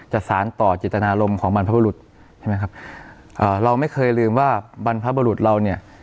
สารต่อจิตนารมณ์ของบรรพบุรุษใช่ไหมครับเอ่อเราไม่เคยลืมว่าบรรพบรุษเราเนี่ย